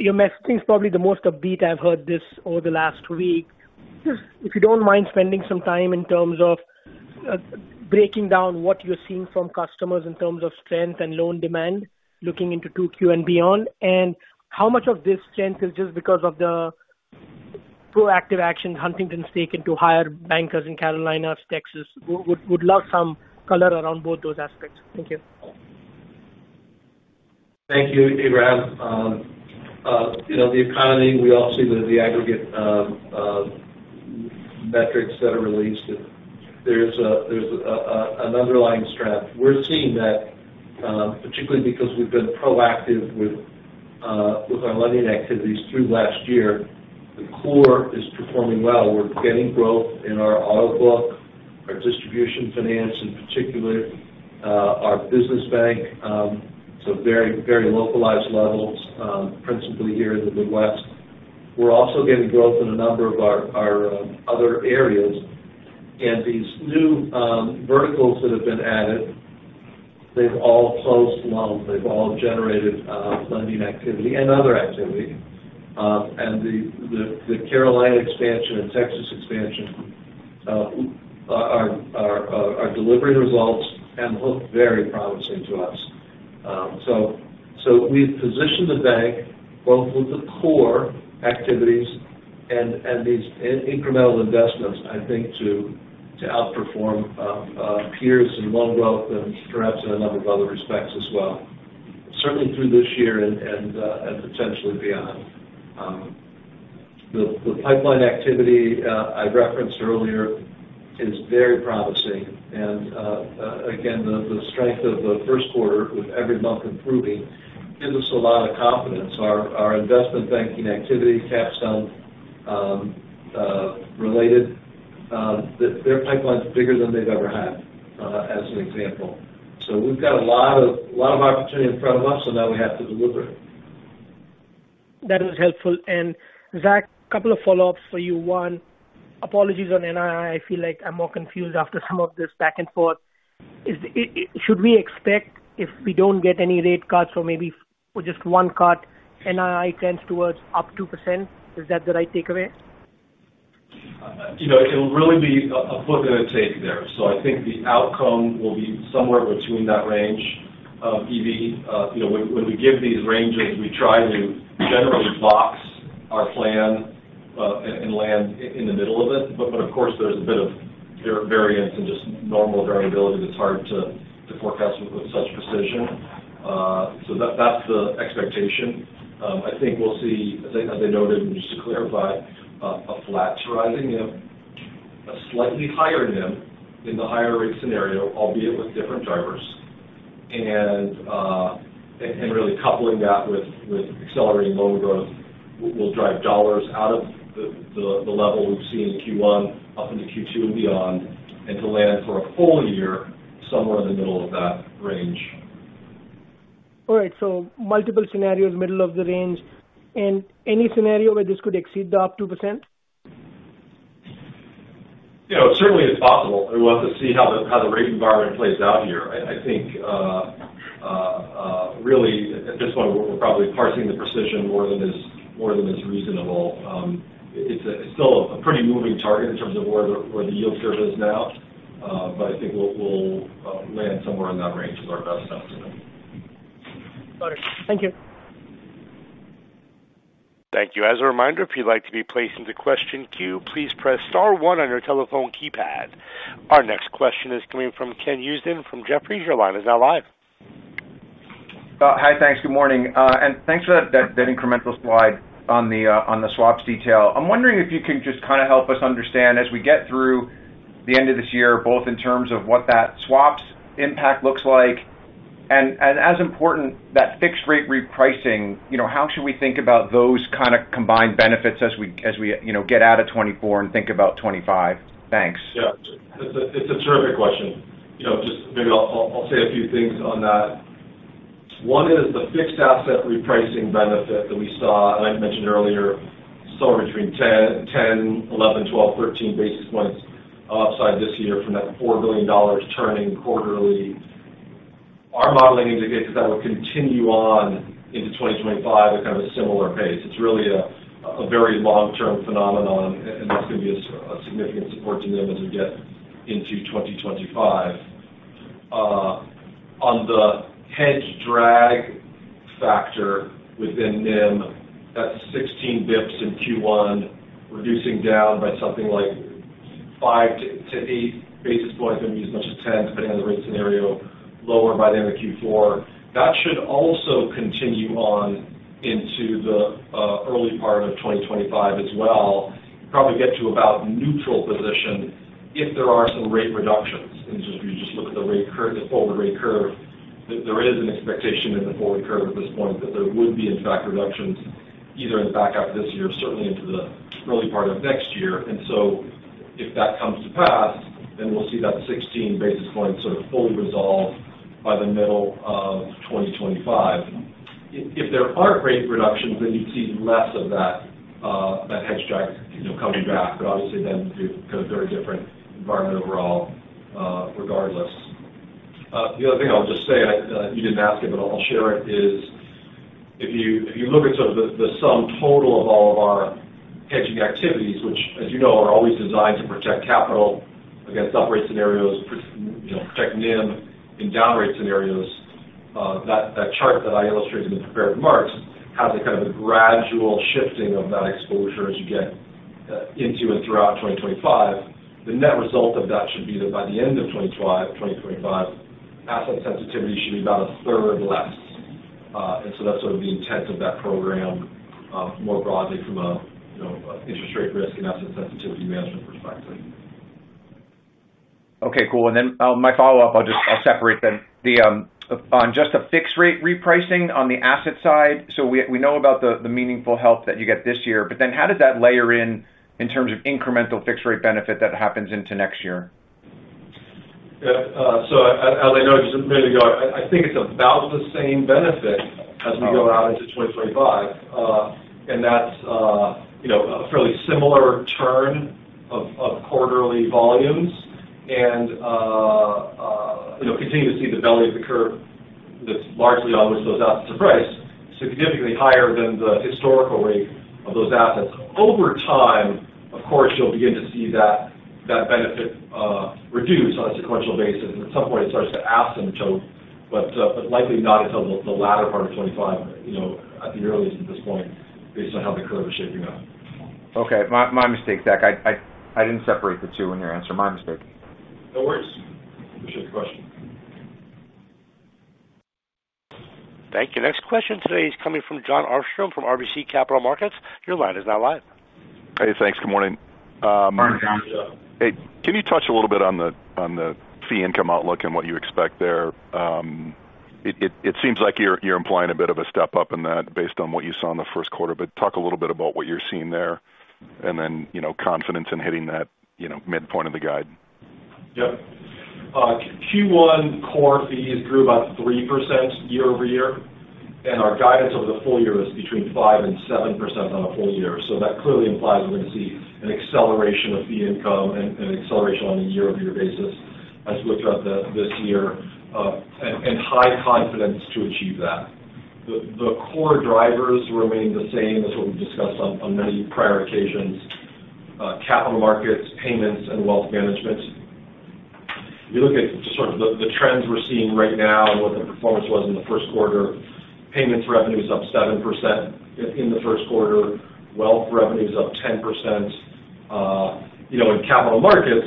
Your message, I think, is probably the most upbeat I've heard thus far over the last week. If you don't mind spending some time in terms of breaking down what you're seeing from customers in terms of strength and loan demand, looking into 2Q and beyond, and how much of this strength is just because of the proactive action Huntington has taken to hire bankers in Carolinas, Texas. Would love some color around both those aspects. Thank you. Thank you, Ebrahim. You know, the economy, we all see the aggregate metrics that are released. There's an underlying strength. We're seeing that, particularly because we've been proactive with our lending activities through last year. The core is performing well. We're getting growth in our auto book, our distribution finance, and particularly our business bank, so very localized levels, principally here in the Midwest. We're also getting growth in a number of our other areas. These new verticals that have been added, they've all closed loans. They've all generated lending activity and other activity. The Carolina expansion and Texas expansion are delivering results and look very promising to us. So we've positioned the bank both with the core activities and these incremental investments, I think, to outperform peers in loan growth and perhaps in a number of other respects as well, certainly through this year and potentially beyond. The pipeline activity I referenced earlier is very promising. And again, the strength of the first quarter with every month improving gives us a lot of confidence. Our investment banking activity, Capstone related, their pipeline is bigger than they've ever had, as an example. So we've got a lot of opportunity in front of us, so now we have to deliver it. That is helpful. Zach, a couple of follow-ups for you. One, apologies on NII. I feel like I'm more confused after some of this back and forth. Is, should we expect, if we don't get any rate cuts or maybe or just one cut, NII tends towards up 2%? Is that the right takeaway? You know, it'll really be a foot in a tape there. So I think the outcome will be somewhere between that range, EV. You know, when we give these ranges, we try to generally box our plan, and land in the middle of it. But of course, there's a bit of variance and just normal variability that's hard to forecast with such precision. So that's the expectation. I think we'll see, as I noted, and just to clarify, a flat to rising NIM, a slightly higher NIM in the higher rate scenario, albeit with different drivers. really coupling that with accelerating loan growth will drive dollars out of the level we've seen in Q1, up into Q2 and beyond, and to land for a full year, somewhere in the middle of that range. All right. Multiple scenarios, middle of the range. Any scenario where this could exceed the up 2%? You know, certainly it's possible. We want to see how the rate environment plays out here. I think really at this point, we're probably parsing the precision more than is reasonable. It's still a pretty moving target in terms of where the yield curve is now. But I think we'll land somewhere in that range is our best estimate. Got it. Thank you. Thank you. As a reminder, if you'd like to be placed into question queue, please press star one on your telephone keypad. Our next question is coming from Ken Usdin from Jefferies. Your line is now live. Hi. Thanks. Good morning. And thanks for that incremental slide on the swaps detail. I'm wondering if you can just kind of help us understand as we get through the end of this year, both in terms of what that swaps impact looks like, and as important, that fixed rate repricing, you know, how should we think about those kind of combined benefits as we, you know, get out of 2024 and think about 2025? Thanks. Yeah, it's a, it's a terrific question. You know, just maybe I'll, I'll, I'll say a few things on that. One is the fixed asset repricing benefit that we saw, and I mentioned earlier, somewhere between 10 basis points-13 basis points upside this year from that $4 billion turning quarterly. Our modeling indicates that will continue on into 2025 at kind of a similar pace. It's really a, a very long-term phenomenon, and that's going to be a significant support to NIM as we get into 2025. On the hedge drag factor within NIM, that's 16 basis points in Q1, reducing down by something like 5 basis points-8 basis points, maybe as much as 10, depending on the rate scenario, lower by the end of Q4. That should also continue on into the early part of 2025 as well. Probably get to about neutral position if there are some rate reductions. And just, if you just look at the rate cur-- the forward rate curve, there is an expectation in the forward curve at this point that there would be, in fact, reductions either in the back half of this year, certainly into the early part of next year. And so if that comes to pass, then we'll see that sixteen basis points sort of fully resolved by the middle of 2025. If there aren't rate reductions, then you'd see less of that hedge drag, you know, coming back. But obviously, then, be kind of very different environment overall, regardless. The other thing I'll just say, I, you didn't ask it, but I'll share it, is if you, if you look at sort of the, the sum total of all of our hedging activities, which, as you know, are always designed to protect capital against adverse scenarios, you know, protect NIM in down rate scenarios, that, that chart that I illustrated in the prepared remarks has a kind of a gradual shifting of that exposure as you get into and throughout 2025. The net result of that should be that by the end of 2025, asset sensitivity should be about 1/3 less. So that's sort of the intent of that program, more broadly from a, you know, an interest rate risk and asset sensitivity management perspective. Okay, cool. And then, my follow-up, I'll just- I'll separate then. Then, on just a fixed rate repricing on the asset side. So we know about the meaningful help that you get this year, but then how did that layer in, in terms of incremental fixed rate benefit that happens into next year? Yeah. So as I noted just a minute ago, I, I think it's about the same benefit as we go out into 2025. And that's you know a fairly similar turn of quarterly volumes and you know continue to see the belly of the curve that's largely on those assets to price significantly higher than the historical rate of those assets. Over time, of course, you'll begin to see that that benefit reduce on a sequential basis, and at some point it starts to asymptote. But but likely not until the latter part of 2025, you know, at the earliest at this point, based on how the curve is shaping up. Okay, my mistake, Zach. I didn't separate the two in your answer. My mistake. No worries. Appreciate the question. Thank you. Next question today is coming from Jon Arfstrom from RBC Capital Markets. Your line is now live. Hey, thanks. Good morning. Hi, Jon. Hey, can you touch a little bit on the fee income outlook and what you expect there? It seems like you're implying a bit of a step up in that based on what you saw in the first quarter. But talk a little bit about what you're seeing there, and then, you know, confidence in hitting that, you know, midpoint of the guide. Yep. Q1 core fees grew about 3% year-over-year, and our guidance over the full year is between 5% and 7% on a full year. So that clearly implies we're going to see an acceleration of fee income and an acceleration on a year-over-year basis as we look throughout this year, and high confidence to achieve that. The core drivers remain the same as what we've discussed on many prior occasions, Capital Markets, payments, and wealth management. If you look at just sort of the trends we're seeing right now and what the performance was in the first quarter, payments revenue is up 7% in the first quarter. Wealth revenue is up 10%. You know, in Capital Markets,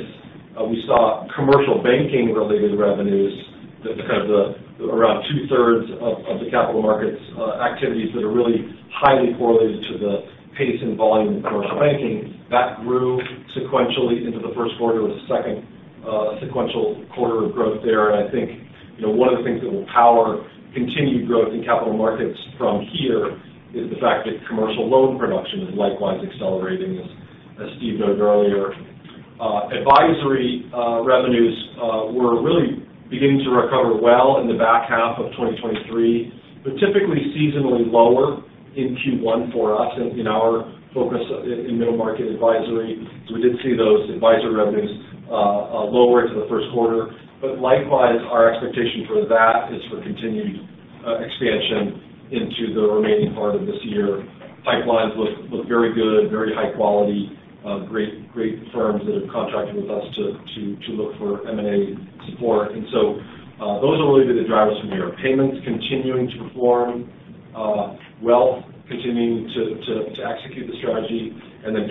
we saw commercial banking-related revenues that's kind of around 2/3 of the Capital Markets activities that are really highly correlated to the pace and volume of commercial banking. That grew sequentially into the first quarter of the second sequential quarter of growth there. And I think, you know, one of the things that will power continued growth in Capital Markets from here is the fact that commercial loan production is likewise accelerating, as Steve noted earlier. Advisory revenues were really beginning to recover well in the back half of 2023, but typically seasonally lower in Q1 for us. In our focus in middle market advisory, we did see those advisory revenues lower into the first quarter. But likewise, our expectation for that is for continued expansion into the remaining part of this year. Pipelines look very good, very high quality, great firms that have contracted with us to look for M&A support. And so, those will really be the drivers from here. Payments continuing to perform well, continuing to execute the strategy and then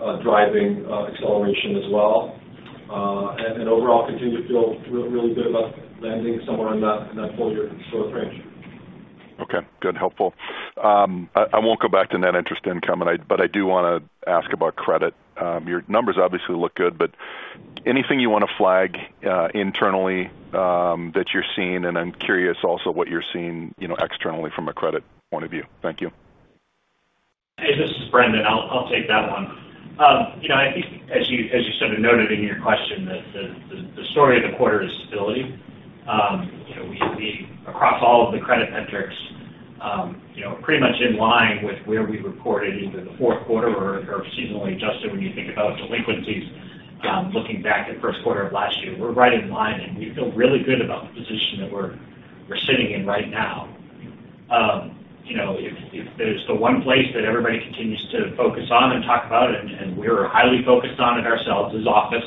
Capital Markets driving acceleration as well. And overall, continue to feel really good about landing somewhere in that full year sort of range. Okay, good. Helpful. I won't go back to Net Interest Income, but I do want to ask about credit. Your numbers obviously look good, but anything you want to flag internally that you're seeing? And I'm curious also what you're seeing, you know, externally from a credit point of view. Thank you. Hey, this is Brendan. I'll take that one. You know, I think as you sort of noted in your question, that the story of the quarter is stability. You know, we across all of the credit metrics, you know, pretty much in line with where we reported into the fourth quarter or seasonally adjusted, when you think about delinquencies, looking back at first quarter of last year. We're right in line, and we feel really good about the position that we're sitting in right now. You know, if there's the one place that everybody continues to focus on and talk about, and we're highly focused on it ourselves, is office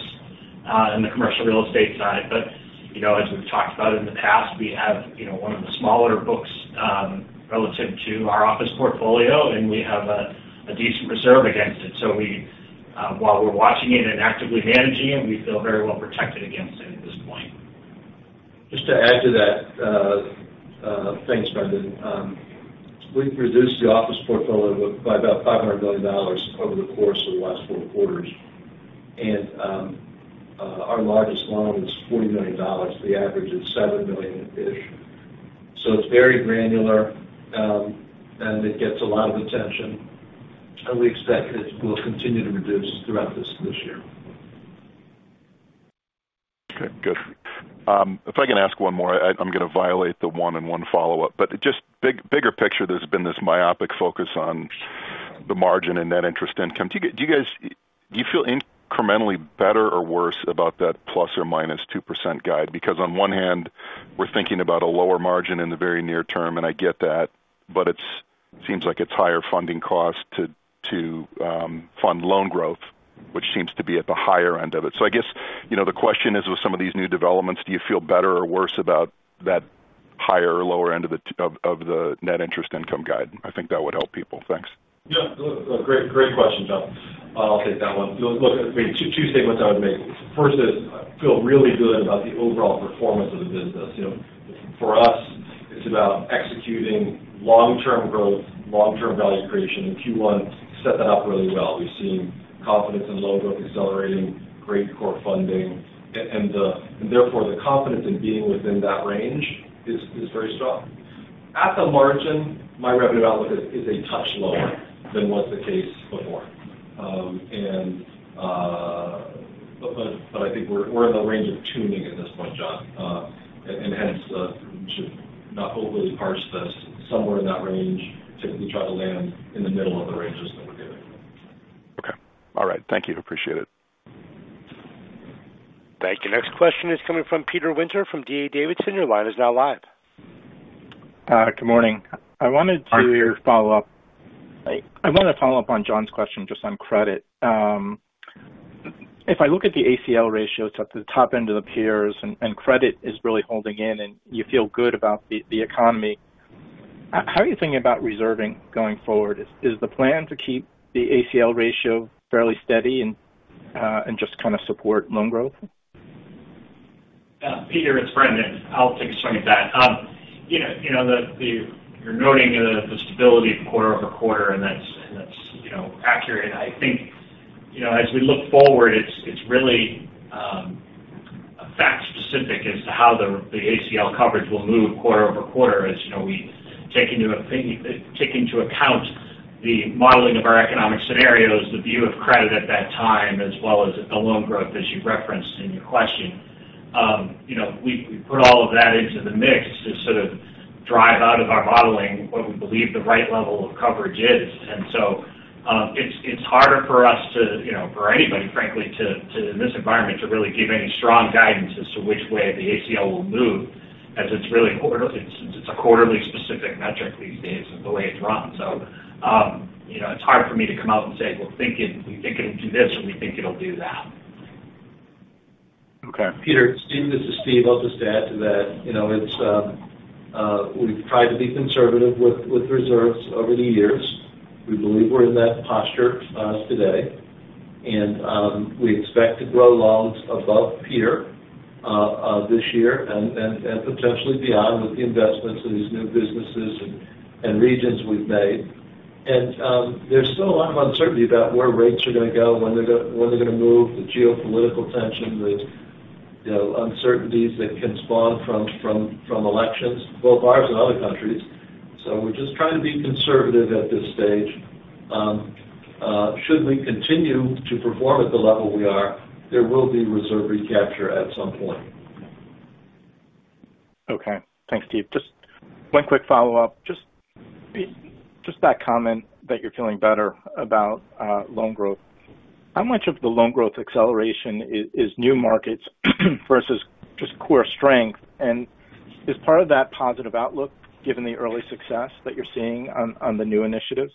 and the commercial real estate side. But, you know, as we've talked about in the past, we have, you know, one of the smaller books relative to our office portfolio, and we have a decent reserve against it. So we, while we're watching it and actively managing it, we feel very well protected against it at this point. Just to add to that, thanks, Brendan. We've reduced the office portfolio by about $500 million over the course of the last four quarters. Our largest loan is $40 million. The average is $7 million-ish. So it's very granular, and it gets a lot of attention, and we expect it will continue to reduce throughout this year. Okay, good. If I can ask one more, I'm going to violate the one and one follow-up, but just bigger picture, there's been this myopic focus on the margin and net interest income. Do you guys feel incrementally better or worse about that ±2% guide? Because on one hand, we're thinking about a lower margin in the very near term, and I get that, but it seems like it's higher funding cost to fund loan growth, which seems to be at the higher end of it. So I guess, you know, the question is, with some of these new developments, do you feel better or worse about that higher or lower end of the net interest income guide? I think that would help people. Thanks. Yeah. Great, great question, John. I'll take that one. Look, I mean, two statements I would make. First is, I feel really good about the overall performance of the business. You know, for us, it's about executing long-term growth, long-term value creation, and Q1 set that up really well. We've seen confidence in loan growth accelerating, great core funding, and therefore, the confidence in being within that range is very strong. At the margin, my revenue outlook is a touch lower than was the case before. But I think we're in the range of tuning at this point, Jon, and hence, should not overly parse this somewhere in that range. Typically, try to land in the middle of the ranges that we're giving. Okay. All right. Thank you. Appreciate it. Thank you. Next question is coming from Peter Winter from D.A. Davidson. Your line is now live. Hi, good morning. I wanted to- Hi, Peter. Follow up. I wanted to follow up on John's question, just on credit. If I look at the ACL ratio, it's at the top end of the peers, and credit is really holding in, and you feel good about the economy. How are you thinking about reserving going forward? Is the plan to keep the ACL ratio fairly steady and just kind of support loan growth? Peter, it's Brendan. I'll take a swing at that. You know, you know, the stability quarter-over-quarter, and that's, and that's, you know, accurate. I think, you know, as we look forward, it's, it's really fact specific as to how the ACL coverage will move quarter-over-quarter. As you know, we take into account the modeling of our economic scenarios, the view of credit at that time, as well as the loan growth, as you referenced in your question. You know, we put all of that into the mix to sort of drive out of our modeling what we believe the right level of coverage is. It's harder for us to, you know, for anybody, frankly, to in this environment to really give any strong guidance as to which way the ACL will move, as it's really a quarterly specific metric these days and the way it's run. So, you know, it's hard for me to come out and say, "We're thinking, we think it'll do this, or we think it'll do that. Okay. Peter, Steve, this is Steve. I'll just add to that. You know, we've tried to be conservative with reserves over the years. We believe we're in that posture today, and we expect to grow loans above peer this year and potentially beyond, with the investments in these new businesses and regions we've made. And there's still a lot of uncertainty about where rates are going to go, when they're going to move, the geopolitical tension, you know, uncertainties that can spawn from elections, both ours and other countries. So we're just trying to be conservative at this stage. Should we continue to perform at the level we are, there will be reserve recapture at some point. Okay. Thanks, Steve. Just one quick follow-up. Just, just that comment that you're feeling better about loan growth. How much of the loan growth acceleration is new markets versus just core strength? And is part of that positive outlook, given the early success that you're seeing on the new initiatives?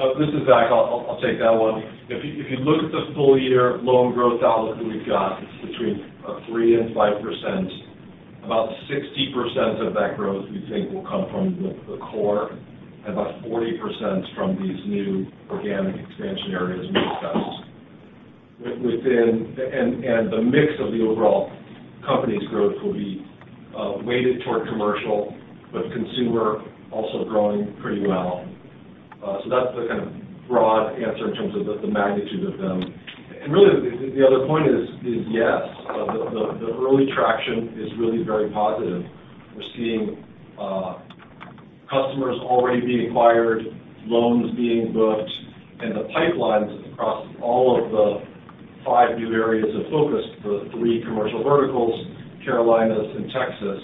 This is Zach. I'll take that one. If you look at the full year loan growth outlook that we've got, it's between 3%-5%. About 60% of that growth, we think will come from the core, and about 40% from these new organic expansion areas we discussed. And the mix of the overall company's growth will be weighted toward commercial, but consumer also growing pretty well. So that's the kind of broad answer in terms of the magnitude of them. And really, the early traction is really very positive. We're seeing customers already being acquired, loans being booked, and the pipelines across all of the five new areas of focus, the three commercial verticals, Carolinas and Texas.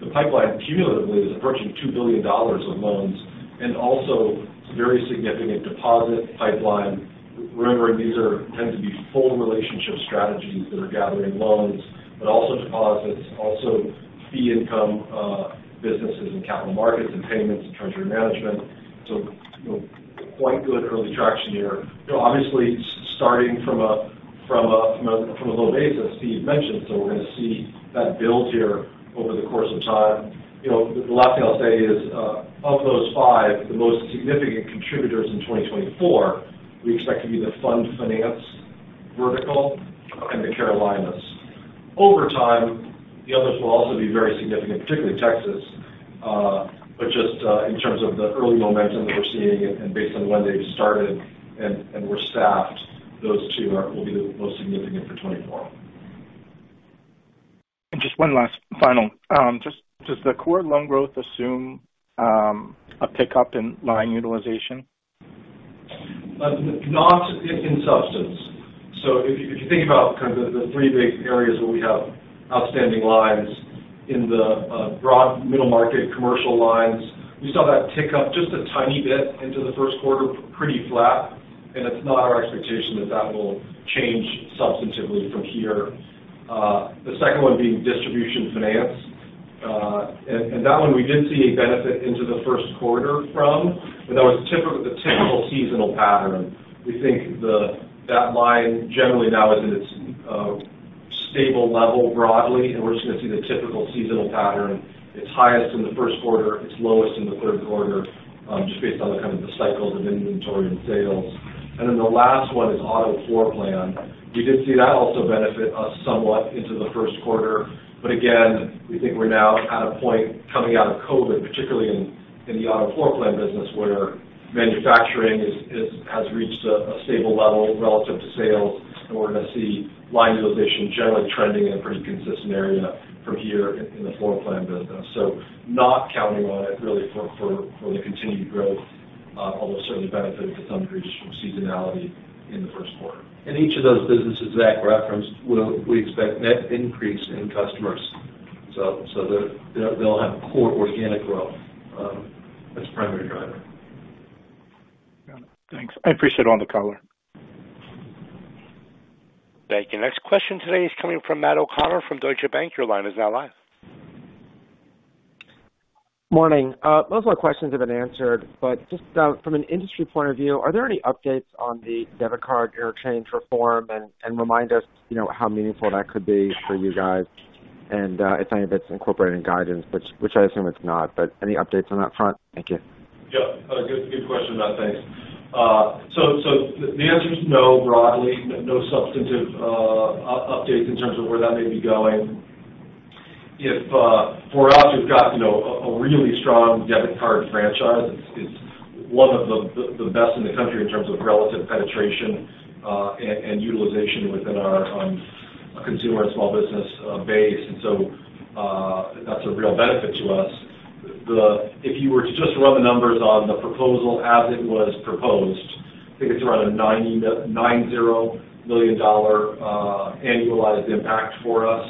The pipeline cumulatively is approaching $2 billion of loans and also very significant deposit pipeline. Remember, these tend to be full relationship strategies that are gathering loans, but also deposits, also fee income, businesses and Capital Markets and payments and Treasury Management. So, you know, quite good early traction here. You know, obviously, starting from a low basis, Steve mentioned, so we're going to see that build here over the course of time. You know, the last thing I'll say is, of those five, the most significant contributors in 2024, we expect to be the fund finance vertical and the Carolinas. Over time, the others will also be very significant, particularly Texas. But just in terms of the early momentum that we're seeing and based on when they started and were staffed, those two are, will be the most significant for 2024. Just one last final. Just, does the core loan growth assume a pickup in line utilization? Not in substance. So if you think about kind of the three big areas where we have outstanding lines in the broad middle market commercial lines, we saw that tick up just a tiny bit into the first quarter, pretty flat, and it's not our expectation that that will change substantively from here. The second one being distribution finance. And that one we did see a benefit into the first quarter from, but that was the typical seasonal pattern. We think that line generally now is at its stable level broadly, and we're just going to see the typical seasonal pattern. It's highest in the first quarter, it's lowest in the third quarter, just based on kind of the cycles of inventory and sales. And then the last one is auto floor plan. We did see that also benefit us somewhat into the first quarter. But again, we think we're now at a kind of point coming out of COVID, particularly in the auto floor plan business, where manufacturing has reached a stable level relative to sales, and we're going to see line utilization generally trending in a pretty consistent area from here in the auto floor plan business. So not counting on it really for the continued growth, although certainly benefited to some degree just from seasonality in the first quarter. In each of those businesses that Zach referenced, we expect net increase in customers. So, they'll have core organic growth as primary driver. Got it. Thanks. I appreciate all the color. Thank you. Next question today is coming from Matt O'Connor from Deutsche Bank. Your line is now live. Morning. Most of my questions have been answered, but just, from an industry point of view, are there any updates on the debit card interchange reform? And, remind us, you know, how meaningful that could be for you guys and, if any of it's incorporated in guidance, which I assume it's not. But any updates on that front? Thank you. Yeah. Good, good question, Matt. Thanks. So, so the answer is no, broadly, no substantive updates in terms of where that may be going. If -- For us, we've got, you know, a, a really strong debit card franchise. It's, it's one of the, the, the best in the country in terms of relative penetration, and, and utilization within our consumer and small business base. And so, that's a real benefit to us. The -- If you were to just run the numbers on the proposal as it was proposed, I think it's around a $90 million annualized impact for us.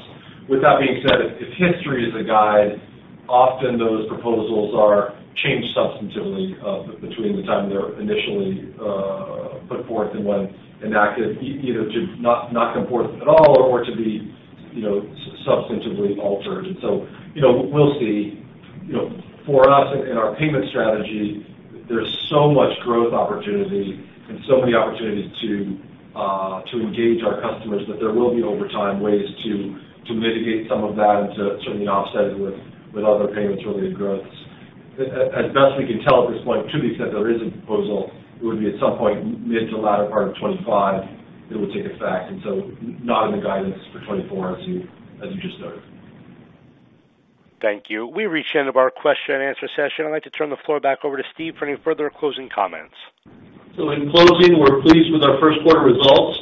With that being said, if history is a guide, often those proposals are changed substantively between the time they're initially put forth and when enacted, either to not come forth at all or to be, you know, substantively altered. And so, you know, we'll see. You know, for us, in our payment strategy, there's so much growth opportunity and so many opportunities to engage our customers, that there will be, over time, ways to mitigate some of that and to certainly offset it with other payments-related growth. As best we can tell at this point, to the extent there is a proposal, it would be at some point mid to latter part of 2025, it would take effect, and so not in the guidance for 2024, as you just noted. Thank you. We've reached the end of our question-and-answer session. I'd like to turn the floor back over to Steve for any further closing comments. So in closing, we're pleased with our first quarter results.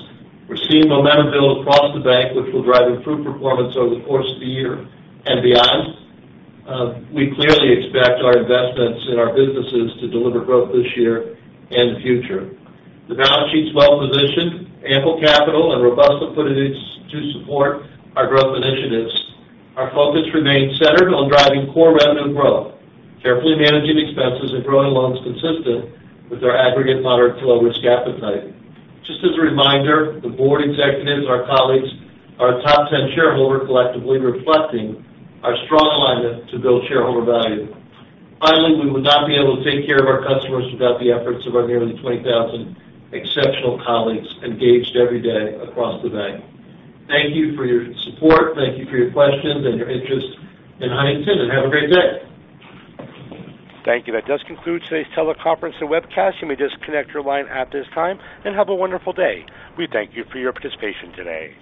We're seeing momentum build across the bank, which will drive improved performance over the course of the year and beyond. We clearly expect our investments in our businesses to deliver growth this year and future. The balance sheet's well positioned, ample capital and robust liquidity to support our growth initiatives. Our focus remains centered on driving core revenue growth, carefully managing expenses, and growing loans consistent with our aggregate moderate to low risk appetite. Just as a reminder, the Board, executives, our colleagues, our top 10 shareholders, collectively reflecting our strong alignment to build shareholder value. Finally, we would not be able to take care of our customers without the efforts of our nearly 20,000 exceptional colleagues engaged every day across the bank. Thank you for your support. Thank you for your questions and your interest in Huntington, and have a great day. Thank you. That does conclude today's teleconference and webcast. You may disconnect your line at this time and have a wonderful day. We thank you for your participation today.